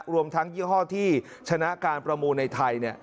รวมทั้งยี่ห้อที่ชนะการประมูลในไทย